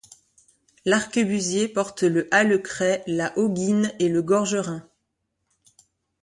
L'arquebusier porte le hallecret, la hoguine et le gorgerin.